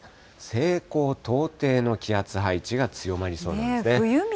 西高東低の気圧配置が強まりそうなんですね